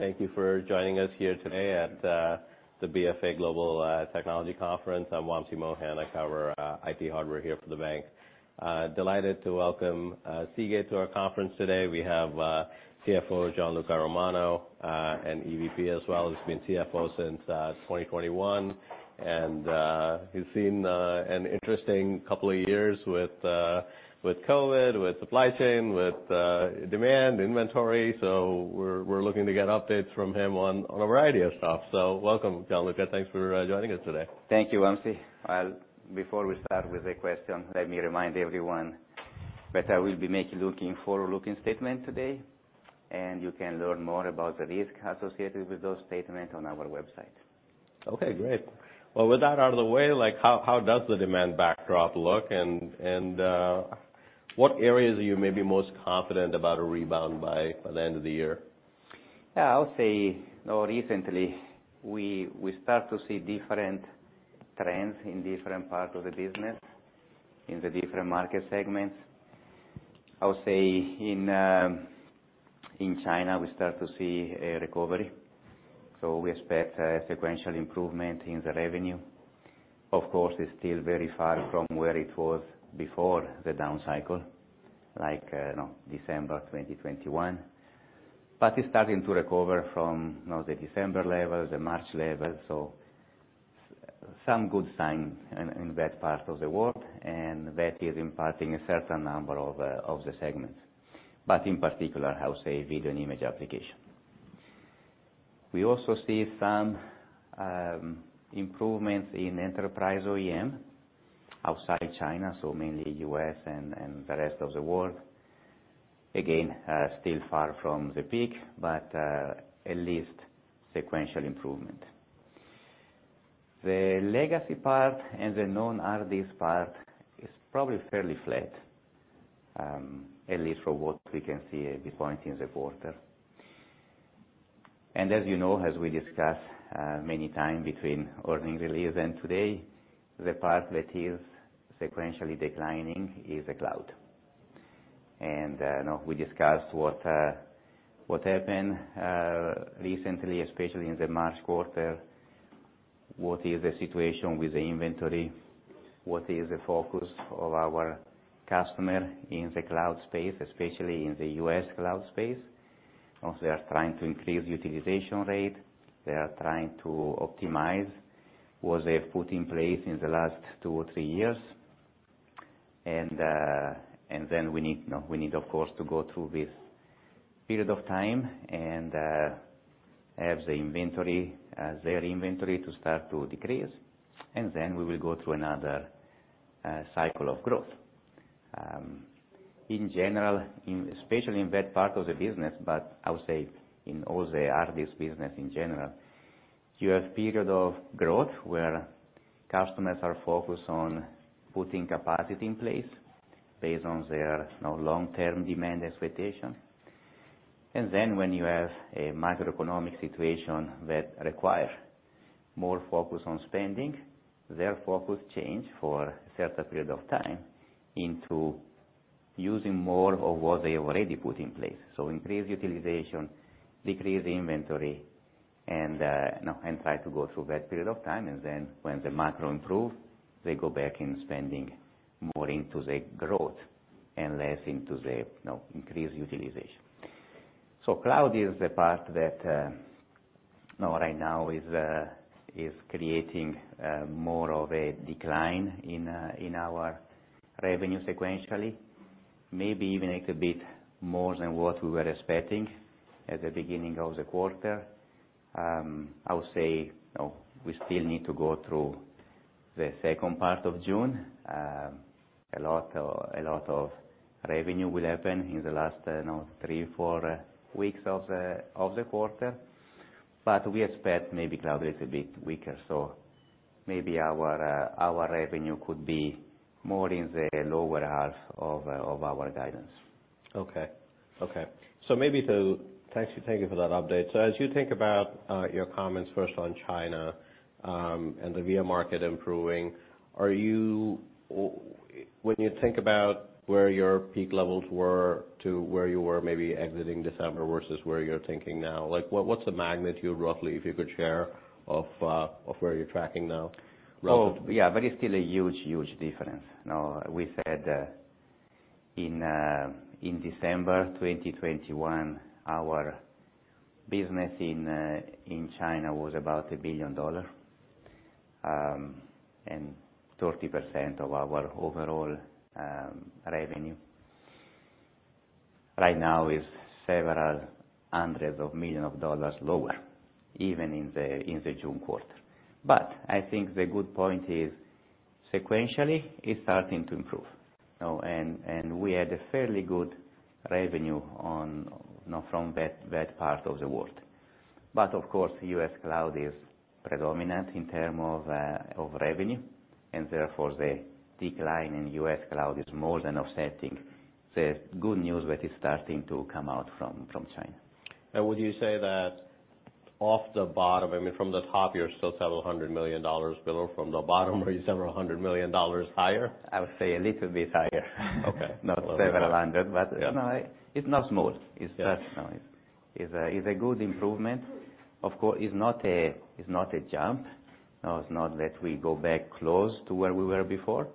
Thank you for joining us here today at the BofA Global Technology Conference. I'm Wamsi Mohan. I cover IT hardware here for the bank. Delighted to welcome Seagate to our conference today. We have CFO, Gianluca Romano, and EVP as well. He's been CFO since 2021, and he's seen an interesting couple of years with COVID, with supply chain, with demand, inventory. We're looking to get updates from him on a variety of stuff. Welcome, Gianluca. Thanks for joining us today. Thank you, Wamsi. Before we start with the question, let me remind everyone that I will be making forward-looking statement today, and you can learn more about the risk associated with those statement on our website. Okay, great. Well, with that out of the way, like, how does the demand backdrop look? What areas are you maybe most confident about a rebound by the end of the year? I would say, you know, recently, we start to see different trends in different parts of the business, in the different market segments. I would say in China, we start to see a recovery, so we expect a sequential improvement in the revenue. Of course, it's still very far from where it was before the down cycle, like, you know, December 2021. It's starting to recover from, you know, the December level, the March level, so some good signs in that part of the world, and that is impacting a certain number of the segments. In particular, I would say, video and image application. We also see some improvements in enterprise OEM outside China, so mainly U.S. and the rest of the world. Still far from the peak, but at least sequential improvement. The legacy part and the non-nearline part is probably fairly flat, at least for what we can see at this point in the quarter. As you know, as we discussed, many time between earning release and today, the part that is sequentially declining is the cloud. You know, we discussed what happened recently, especially in the March quarter, what is the situation with the inventory? What is the focus of our customer in the cloud space, especially in the U.S. cloud space? They are trying to increase utilization rate, they are trying to optimize what they put in place in the last two or three years. We need, you know, we need, of course, to go through this period of time and have the inventory, their inventory to start to decrease, and then we will go through another cycle of growth. In general, especially in that part of the business, but I would say in all the nearline business in general, you have period of growth where customers are focused on putting capacity in place based on their, you know, long-term demand expectation. When you have a macroeconomic situation that require more focus on spending, their focus change for a certain period of time into using more of what they already put in place. Increase utilization, decrease inventory, and, you know, and try to go through that period of time. When the macro improve, they go back in spending more into the growth and less into the, you know, increased utilization. Cloud is the part that, you know, right now is creating more of a decline in our revenue sequentially, maybe even a little bit more than what we were expecting at the beginning of the quarter. I would say, you know, we still need to go through the second part of June. A lot, a lot of revenue will happen in the last, you know, three, four weeks of the quarter, but we expect maybe cloud is a bit weaker. Maybe our revenue could be more in the lower half of our guidance. Okay. Okay. Thank you for that update. As you think about your comments first on China, and the VIA market improving, when you think about where your peak levels were to where you were maybe exiting December versus where you're thinking now, like what's the magnitude, roughly, if you could share, of where you're tracking now, roughly? Oh, yeah, it's still a huge difference. You know, we said, in December 2021, our business in China was about $1 billion and 30% of our overall revenue. Right now is several hundreds of millions of dollars lower, even in the June quarter. I think the good point is, sequentially, it's starting to improve. You know, and we had a fairly good revenue on, you know, from that part of the world. Of course, the U.S. cloud is predominant in term of revenue, and therefore, the decline in U.S. cloud is more than offsetting the good news that is starting to come out from China. Now, would you say off the bottom, I mean, from the top, you're still several hundred million dollars below. From the bottom, are you several hundred million dollars higher? I would say a little bit higher. Okay. Not several hundred, but- Yeah you know, it's not smooth. Yeah. It's just, it's a good improvement. Of course, it's not a jump. It's not that we go back close to where we were before,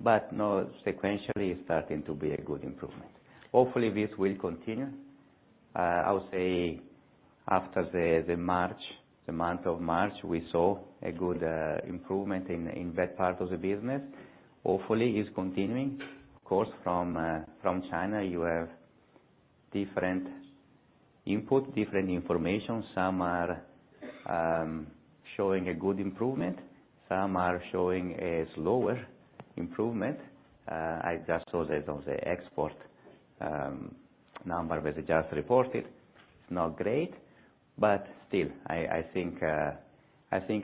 but sequentially, it's starting to be a good improvement. Hopefully, this will continue. I would say after the month of March, we saw a good improvement in that part of the business. Hopefully, it's continuing. Of course, from China, you have different input, different information. Some are showing a good improvement, some are showing a slower improvement. I just saw the on the export number that was just reported. It's not great, but still, I think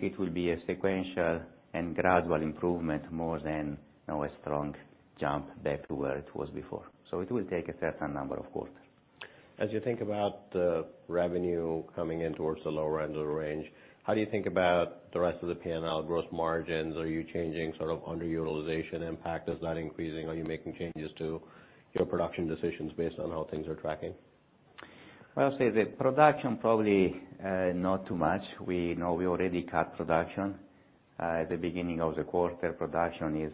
it will be a sequential and gradual improvement more than, you know, a strong jump back to where it was before. It will take a certain number of quarters. As you think about the revenue coming in towards the lower end of the range, how do you think about the rest of the P&L gross margins? Are you changing sort of underutilization impact? Is that increasing? Are you making changes to your production decisions based on how things are tracking? I'll say the production probably not too much. We know we already cut production. At the beginning of the quarter, production is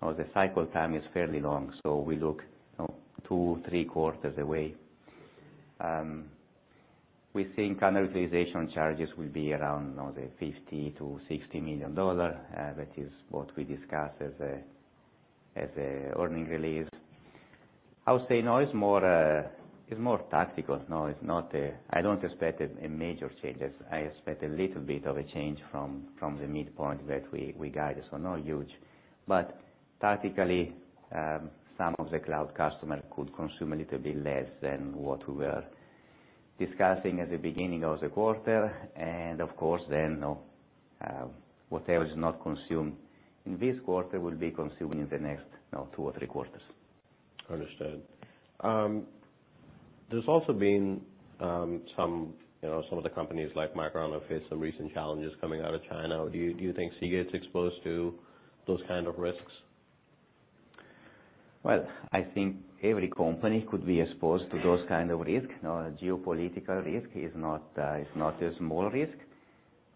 or the cycle time is fairly long, so we look, you know, two, three quarters away. We think underutilization charges will be around, you know, $50 million-$60 million. That is what we discussed as an earnings release. I would say now it's more, it's more tactical. No, it's not a I don't expect a major changes. I expect a little bit of a change from the midpoint that we guided, so not huge. Tactically, some of the cloud customer could consume a little bit less than what we were discussing at the beginning of the quarter. Of course, then, whatever is not consumed in this quarter will be consumed in the next, you know, two or three quarters. Understood. there's also been, some, you know, some of the companies like Micron have faced some recent challenges coming out of China. Do you think Seagate's exposed to those kind of risks? Well, I think every company could be exposed to those kind of risk. You know, geopolitical risk is not, is not a small risk.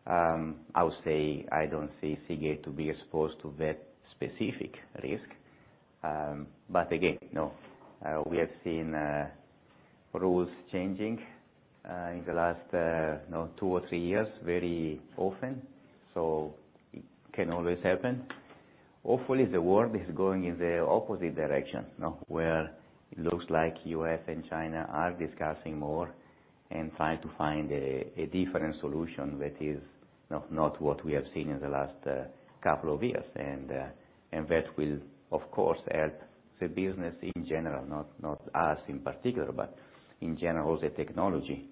I would say I don't see Seagate to be exposed to that specific risk. Again, you know, we have seen rules changing in the last, you know, two or three years, very often, so it can always happen. Hopefully, the world is going in the opposite direction, you know, where it looks like U.S. and China are discussing more and trying to find a different solution that is not what we have seen in the last two years. That will, of course, help the business in general, not us in particular, but in general, the technology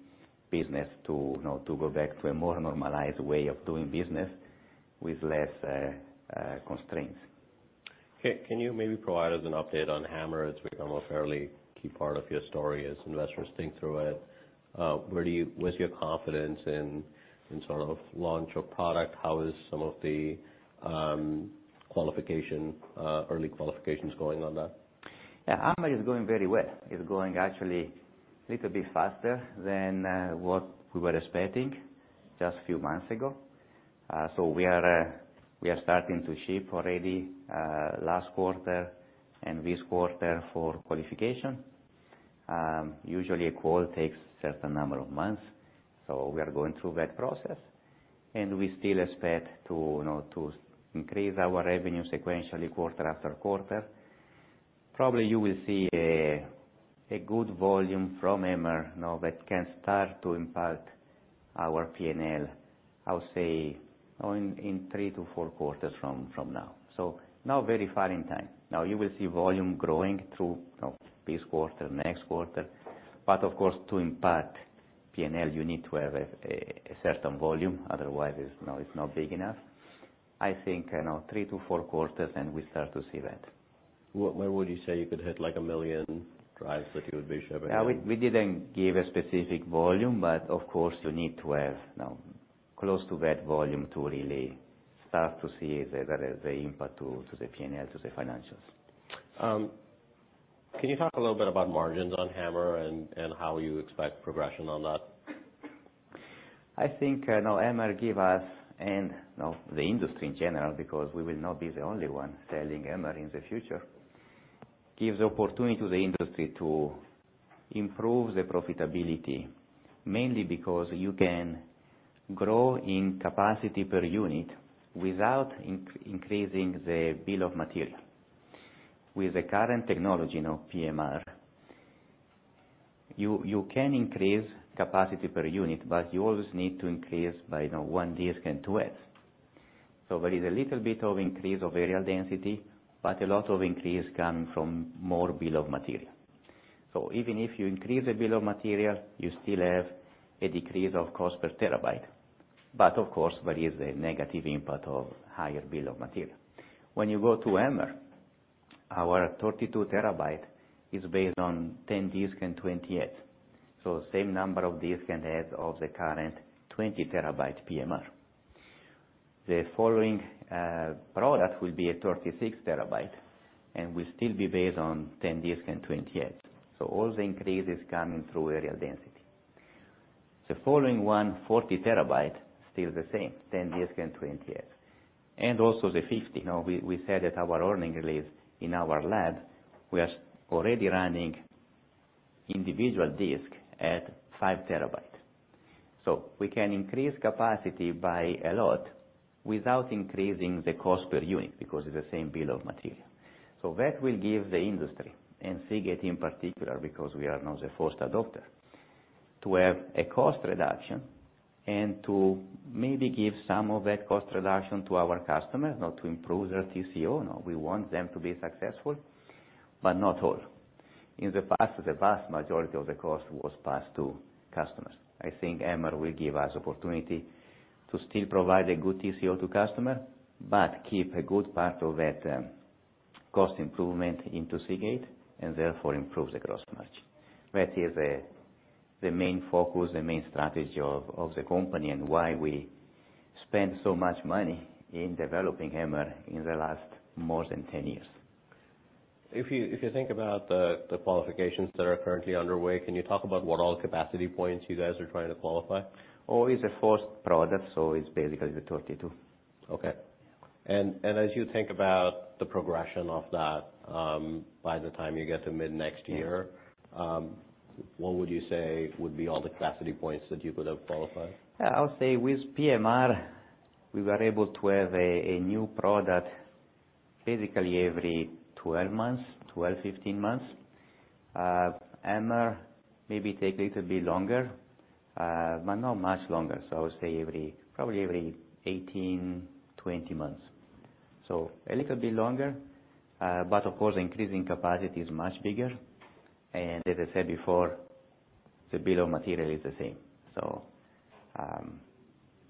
business to, you know, to go back to a more normalized way of doing business with less constraints. Can you maybe provide us an update on HAMR? It's become a fairly key part of your story as investors think through it. Where's your confidence in sort of launch of product? How is some of the qualification, early qualifications going on that? Yeah, HAMR is going very well. It's going actually little bit faster than what we were expecting just a few months ago. We are starting to ship already last quarter and this quarter for qualification. Usually a qual takes a certain number of months, we are going through that process, and we still expect to, you know, to increase our revenue sequentially quarter after quarter. Probably, you will see a good volume from HAMR now that can start to impact our P&L, I would say, in three to four quarters from now. Not very far in time. Now, you will see volume growing through, you know, this quarter, next quarter, of course, to impact P&L, you need to have a certain volume. Otherwise, it's not big enough. I think, you know, three to four quarters, and we start to see that. Where would you say you could hit, like 1 million drives that you would be shipping? We didn't give a specific volume, but of course, you need to have, you know, close to that volume to really start to see the impact to the P&L, to the financials. Can you talk a little bit about margins on HAMR and how you expect progression on that? I think, you know, HAMR give us, and, you know, the industry in general, because we will not be the only one selling HAMR in the future, gives the opportunity to the industry to improve the profitability. Mainly because you can grow in capacity per unit without increasing the bill of material. With the current technology, you know, PMR, you can increase capacity per unit, but you always need to increase by, you know, one disk and 2 heads. There is a little bit of increase of areal density, but a lot of increase come from more bill of material. Even if you increase the bill of material, you still have a decrease of cost per terabyte. Of course, there is a negative impact of higher bill of material. When you go to HAMR, our 32 TB is based on 10 disk and 20 heads. Same number of disk and heads of the current 20 TB PMR. The following product will be a 36 TB, and will still be based on 10 disk and 20 heads. All the increases coming through areal density. The following one, 40 TB, still the same, 10 disk and 20 heads, and also the 50 TB. Now, we said at our earning release, in our lab, we are already running individual disk at 5 TB. We can increase capacity by a lot without increasing the cost per unit, because it's the same bill of materials. That will give the industry, and Seagate in particular, because we are now the first adopter, to have a cost reduction and to maybe give some of that cost reduction to our customers, not to improve their TCO. We want them to be successful, but not all. In the past, the vast majority of the cost was passed to customers. I think HAMR will give us opportunity to still provide a good TCO to customer, but keep a good part of that, cost improvement into Seagate, and therefore improve the gross margin. That is the main focus, the main strategy of the company, and why we spent so much money in developing HAMR in the last more than 10 years. If you think about the qualifications that are currently underway, can you talk about what all capacity points you guys are trying to qualify? Oh, it's the first product, so it's basically the 32. Okay. As you think about the progression of that, by the time you get to mid-next year, what would you say would be all the capacity points that you would have qualified? Yeah, I'll say with PMR, we were able to have a new product basically every 12 months, 12, 15 months. HAMR maybe take little bit longer, but not much longer, so I would say every, probably every 18, 20 months. A little bit longer, but of course, the increasing capacity is much bigger, and as I said before, the bill of materials is the same.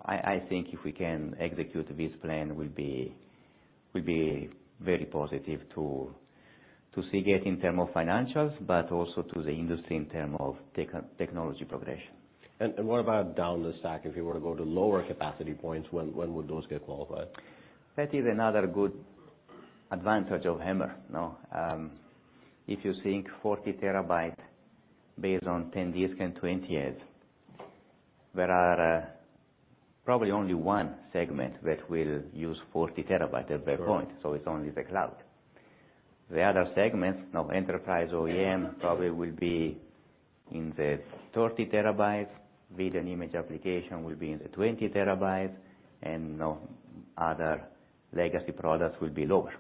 I think if we can execute this plan, we'll be very positive to Seagate in term of financials, but also to the industry in term of technology progression. What about down the stack? If you were to go to lower capacity points, when would those get qualified? That is another good advantage of HAMR, you know? If you think 40 TB based on 10 disk and 20 heads, there are, probably only one segment that will use 40 TB at that point. Sure. It's only the cloud. The other segments, you know, enterprise OEM, probably will be in the 30 TB. Video and image application will be in the 20 TB, and, you know, other legacy products will be lower.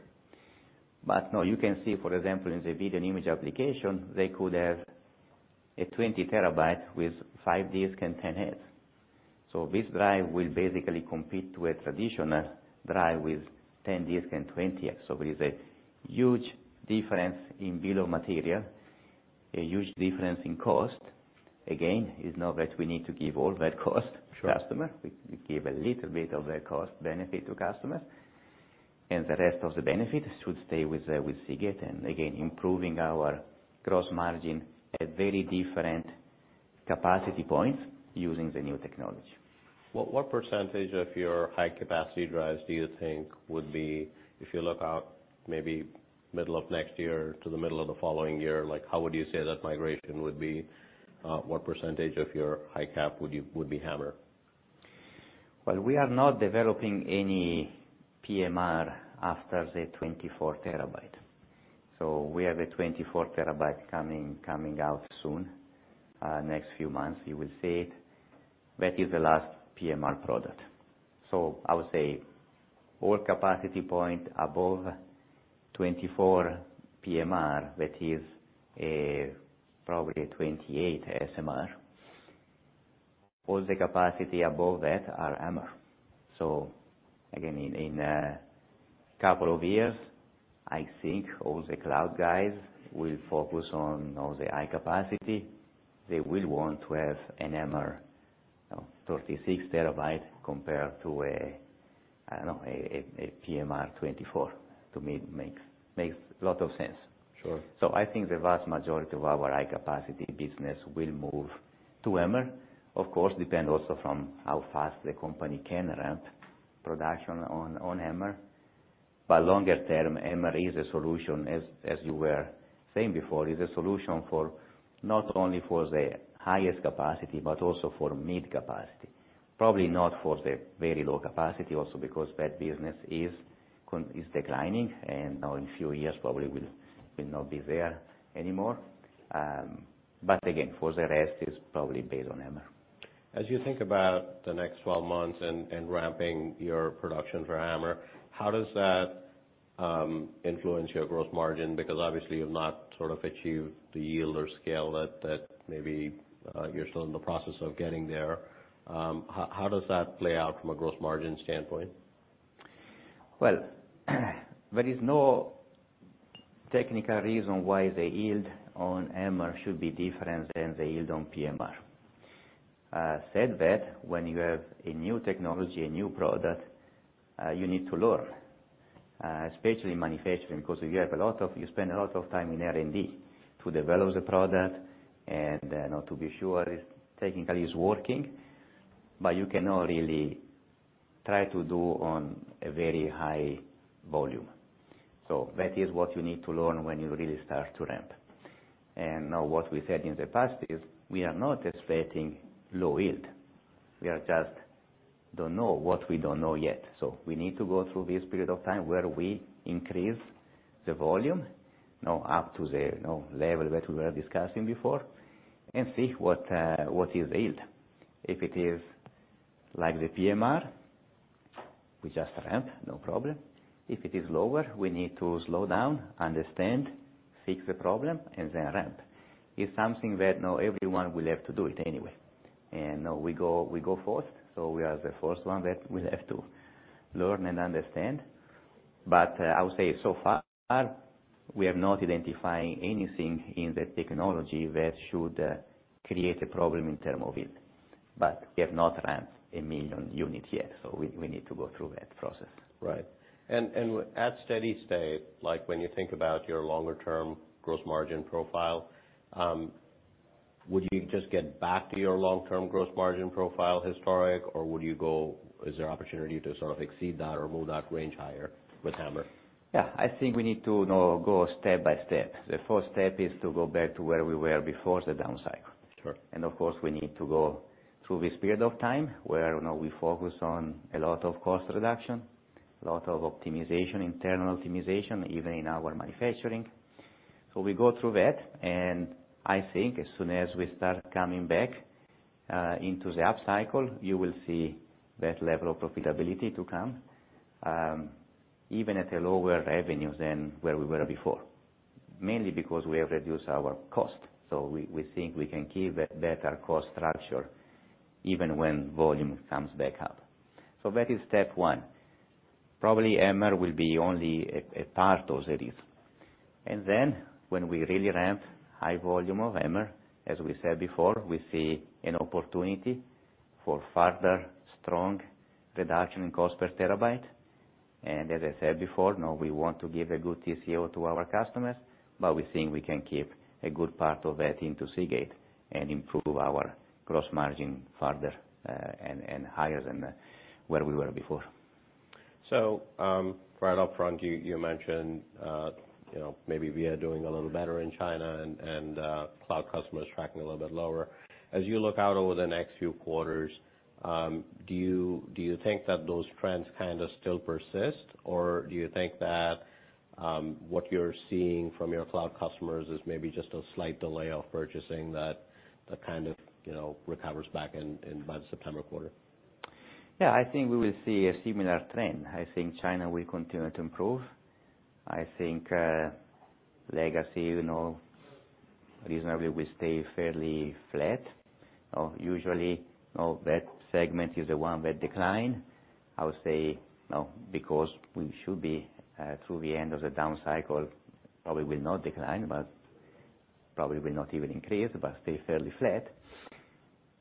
Now you can see, for example, in the video and image application, they could have a 20 TB with 5 -disk and 10 heads. This drive will basically compete to a traditional drive with 10 disk and 20 heads. There is a huge difference in bill of materials, a huge difference in cost. Again, it's not that we need to give all that cost. Sure. customer. We give a little bit of that cost benefit to customers, and the rest of the benefit should stay with Seagate, and again, improving our gross margin at very different capacity points using the new technology. If you look out maybe middle of next year to the middle of the following year, like, how would you say that migration would be, what percentage of your high cap would be HAMR? We are not developing any PMR after the 24 TB. We have a 24 TB coming out soon, next few months, you will see it. That is the last PMR product. I would say all capacity point above 24 PMR, that is a probably a 28 SMR. All the capacity above that are HAMR. Again, in couple of years, I think all the cloud guys will focus on the high capacity. They will want to have an HAMR, 36 TB compared to a, I don't know, a PMR 24, to me makes a lot of sense. Sure. I think the vast majority of our high capacity business will move to HAMR. Of course, depend also from how fast the company can ramp production on HAMR. Longer term, HAMR is a solution, as you were saying before, is a solution for not only for the highest capacity, but also for mid capacity. Probably not for the very low capacity also, because that business is declining, and now in few years, probably will not be there anymore. Again, for the rest, is probably based on HAMR. As you think about the next 12 months and ramping your production for HAMR, how does that influence your gross margin? Because obviously, you've not sort of achieved the yield or scale that maybe you're still in the process of getting there. How does that play out from a gross margin standpoint? Well, there is no technical reason why the yield on HAMR should be different than the yield on PMR. said that when you have a new technology, a new product, you need to learn, especially in manufacturing, because you spend a lot of time in R&D to develop the product and, you know, to be sure technically it's working, but you cannot really try to do on a very high volume. That is what you need to learn when you really start to ramp. Now, what we said in the past is, we are not expecting low yield. We are just, don't know what we don't know yet. We need to go through this period of time where we increase the volume, you know, up to the, you know, level that we were discussing before, and see what is the yield. If it is like the PMR, we just ramp, no problem. If it is lower, we need to slow down, understand, fix the problem, and then ramp. It's something that, you know, everyone will have to do it anyway. You know, we go, we go first, so we are the first one that will have to learn and understand. I would say so far, we have not identified anything in the technology that should create a problem in term of yield. We have not ramped 1 million units yet, so we need to go through that process. Right. At steady state, like when you think about your longer term gross margin profile, would you just get back to your long-term gross margin profile historic, or Is there opportunity to sort of exceed that or move that range higher with HAMR? I think we need to, you know, go step by step. The first step is to go back to where we were before the down cycle. Sure. Of course, we need to go through this period of time where, you know, we focus on a lot of cost reduction, a lot of optimization, internal optimization, even in our manufacturing. We go through that, and I think as soon as we start coming back, into the upcycle, you will see that level of profitability to come, even at a lower revenue than where we were before. Mainly because we have reduced our cost, so we think we can keep a better cost structure even when volume comes back up. That is step one. Probably, HAMR will be only a part of the yield. Then when we really ramp high volume of HAMR, as we said before, we see an opportunity for further strong reduction in cost per terabyte. As I said before, you know, we want to give a good TCO to our customers, but we think we can keep a good part of that into Seagate and improve our gross margin further, and higher than, where we were before. Right up front, you mentioned, you know, maybe we are doing a little better in China and cloud customers tracking a little bit lower. As you look out over the next few quarters, do you think that those trends kind of still persist? Or do you think that what you're seeing from your cloud customers is maybe just a slight delay of purchasing that kind of, you know, recovers back in by the September quarter? Yeah, I think we will see a similar trend. I think China will continue to improve. I think, legacy, you know, reasonably will stay fairly flat. Usually, you know, that segment is the one that decline. I would say, you know, because we should be, through the end of the down cycle, probably will not decline, but probably will not even increase, but stay fairly flat.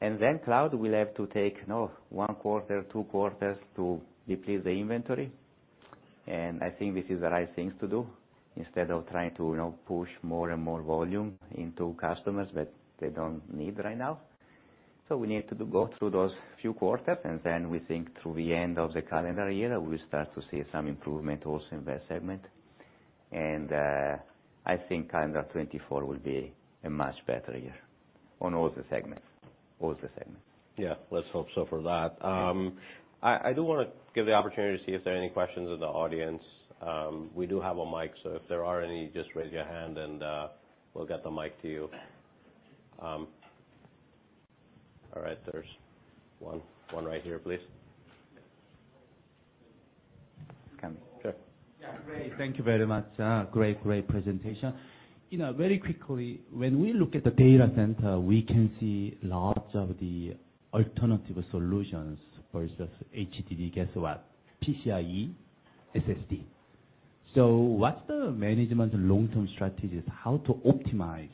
Then cloud will have to take, you know, one quarter, two quarters to deplete the inventory. I think this is the right thing to do, instead of trying to, you know, push more and more volume into customers that they don't need right now. We need to go through those few quarters, and then we think through the end of the calendar year, we start to see some improvement also in that segment. I think calendar 2024 will be a much better year on all the segments. All the segments. Yeah, let's hope so for that. I do wanna give the opportunity to see if there are any questions in the audience. We do have a mic, so if there are any, just raise your hand and we'll get the mic to you. All right, there's one right here, please. It's coming. Sure. Yeah, great. Thank you very much. Great presentation. You know, very quickly, when we look at the data center, we can see lots of the alternative solutions versus HDD, guess what? PCIe, SSD. What's the management's long-term strategies, how to optimize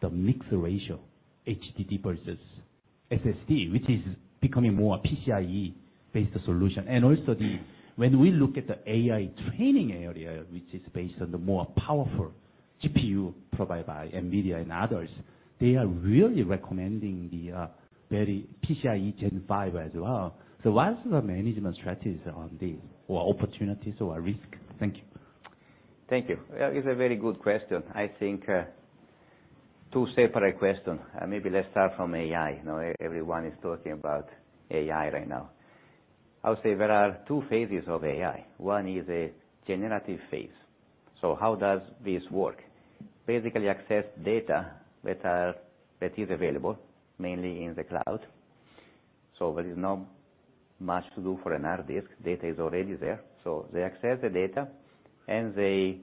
the mix ratio, HDD versus SSD, which is becoming more a PCIe-based solution? Also, when we look at the AI training area, which is based on the more powerful GPU provided by NVIDIA and others, they are really recommending the very PCIe Gen 5 as well. What is the management strategies on this, or opportunities or risk? Thank you. Thank you. It's a very good question. I think, two separate question. Maybe let's start from AI. You know, everyone is talking about AI right now. I'll say there are two phases of AI. One is a generative phase. How does this work? Basically, access data that is available mainly in the cloud. There is not much to do for an hard disk. Data is already there, so they access the data, and they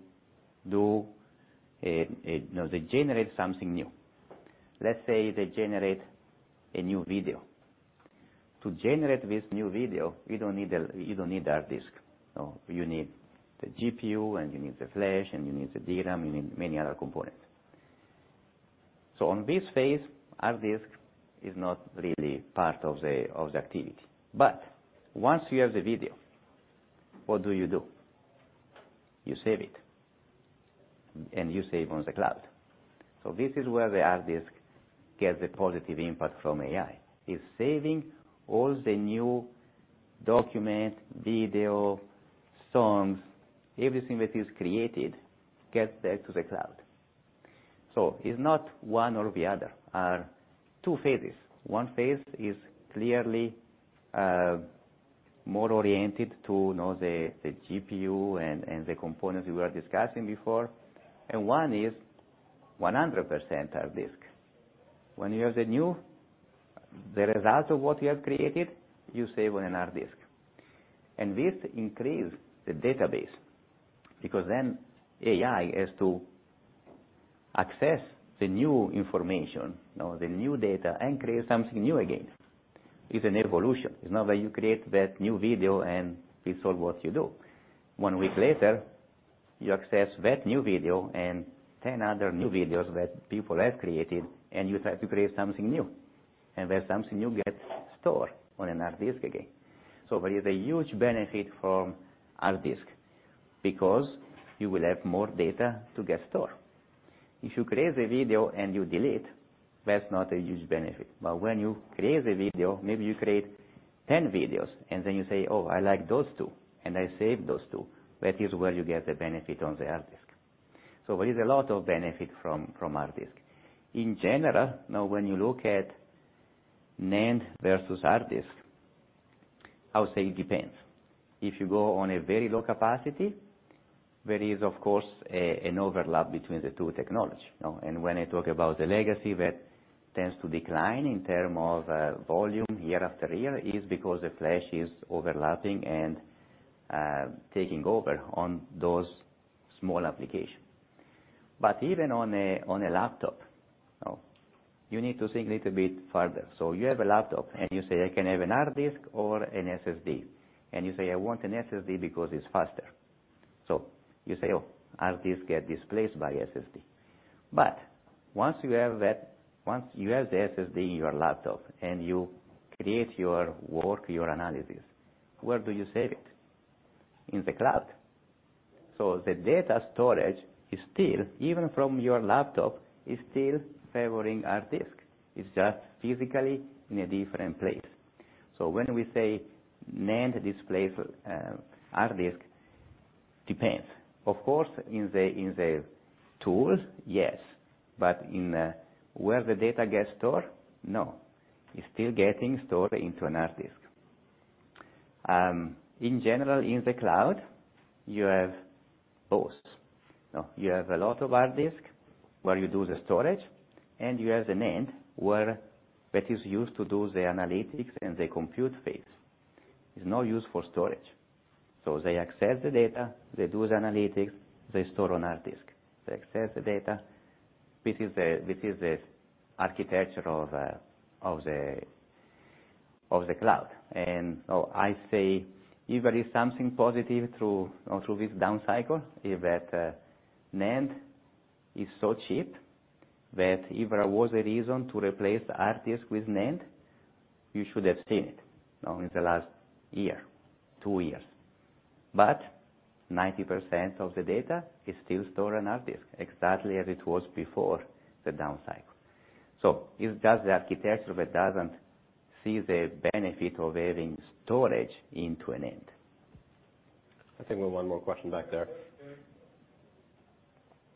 do, you know, they generate something new. Let's say they generate a new video. To generate this new video, you don't need hard disk. You need the GPU, and you need the flash, and you need the DRAM, you need many other components. On this phase, hard disk is not really part of the activity. Once you have the video, what do you do? You save it, and you save on the cloud. This is where the hard disk gets a positive impact from AI. It's saving all the new document, video, songs, everything that is created, gets there to the cloud. It's not one or the other. Two phases. One phase is clearly more oriented to, you know, the GPU and the components we were discussing before, and one is 100% hard disk. When you have the new, the result of what you have created, you save on a hard disk. This increase the database, because then AI has to access the new information or the new data, and create something new again. It's an evolution. It's not that you create that new video, and it's all what you do. One week later, you access that new video and 10 other new videos that people have created. You try to create something new. That something new gets stored on a hard disk again. There is a huge benefit from hard disk, because you will have more data to get stored. If you create a video and you delete, that's not a huge benefit. When you create a video, maybe you create 10 videos, and then you say, "Oh, I like those two," and I save those two, that is where you get the benefit on the hard disk. There is a lot of benefit from hard disk. In general, now, when you look at NAND versus hard disk, I would say it depends. If you go on a very low capacity, there is, of course, an overlap between the two technology, you know? When I talk about the legacy, that tends to decline in term of volume year after year, is because the flash is overlapping and taking over on those small applications. Even on a laptop, you need to think a little bit further. You have a laptop and you say, "I can have a hard disk or an SSD." You say, "I want an SSD because it's faster." You say, "Oh, hard disk get displaced by SSD." Once you have the SSD in your laptop and you create your work, your analysis, where do you save it? In the cloud. The data storage is still, even from your laptop, is still favoring hard disk. It's just physically in a different place. When we say NAND displaced hard disk, depends. Of course, in the tools, yes, but in where the data gets stored, no. It's still getting stored into an HDD. In general, in the cloud, you have both. Now, you have a lot of HDD where you do the storage, and you have the NAND, where that is used to do the analytics and the compute phase. It's not used for storage. They accept the data, they do the analytics, they store on HDD. They access the data. This is the architecture of the cloud. I say if there is something positive through this down cycle, is that NAND is so cheap, that if there was a reason to replace the HDD with NAND, you should have seen it, you know, in the last year, two years. Ninety percent of the data is still stored on hard disk, exactly as it was before the down cycle. It's just the architecture that doesn't see the benefit of having storage into NAND. I think we have one more question back there.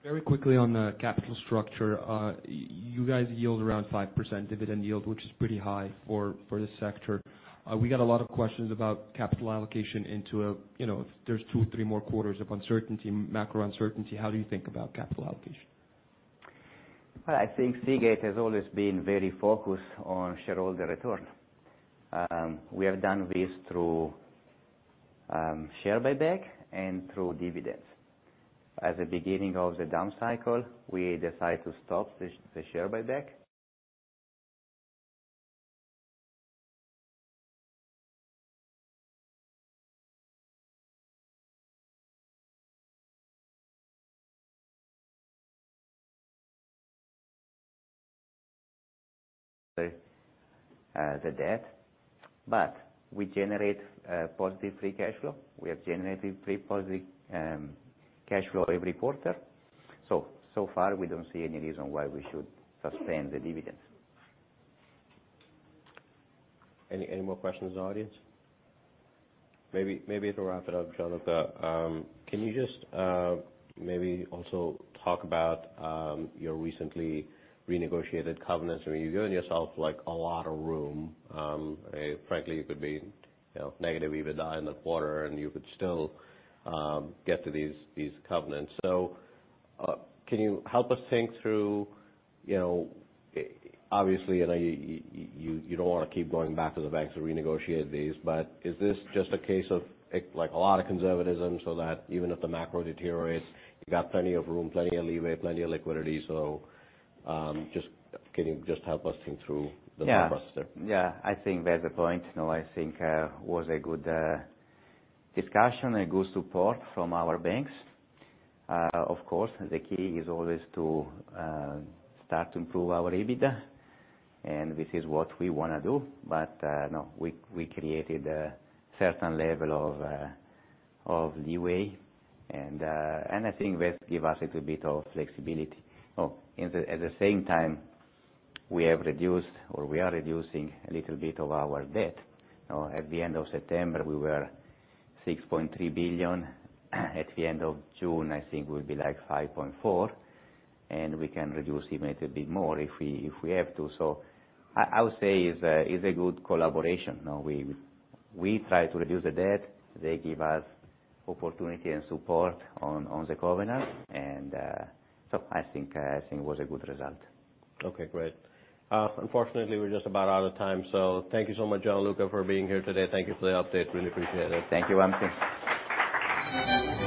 Very quickly on the capital structure. you guys yield around 5% dividend yield, which is pretty high for this sector. we got a lot of questions about capital allocation into, you know, if there's two, three more quarters of uncertainty, macro uncertainty, how do you think about capital allocation? I think Seagate has always been very focused on shareholder return. We have done this through share buyback and through dividends. At the beginning of the down cycle, we decided to stop the share buyback. We generate positive free cash flow. We have generated free positive cash flow every quarter. So far, we don't see any reason why we should suspend the dividends. Any more questions, audience? Maybe to wrap it up, Gianluca, can you just maybe also talk about your recently renegotiated covenants, where you've given yourself, like, a lot of room, frankly, you could be, you know, negative EBITDA in the quarter, and you could still get to these covenants. Can you help us think through, you know, obviously, and you don't wanna keep going back to the banks to renegotiate these, but is this just a case of, like, a lot of conservatism so that even if the macro deteriorates, you got plenty of room, plenty of leeway, plenty of liquidity? Just, can you just help us think through the process there? Yeah. I think that's the point. You know, I think was a good discussion, a good support from our banks. Of course, the key is always to start to improve our EBITDA, and this is what we wanna do. No, we created a certain level of leeway, and I think that give us a little bit of flexibility. At the same time, we have reduced, or we are reducing a little bit of our debt. You know, at the end of September, we were $6.3 billion. At the end of June, I think we'll be, like, $5.4 billion, and we can reduce even a little bit more if we have to. I would say it's a good collaboration, you know, we try to reduce the debt. They give us opportunity and support on the covenants, and, so I think it was a good result. Okay, great. Unfortunately, we're just about out of time. Thank you so much, Gianluca, for being here today. Thank you for the update. Really appreciate it. Thank you, Wamsi.